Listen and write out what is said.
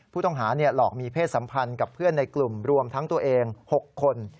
ผู้ต้องหาหลอกมีเพศสัมพันธ์กับเพื่อนในกลุ่มรวมทั้งตัวเอง๖คน